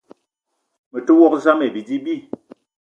Me te wok zam ayi bidi bi.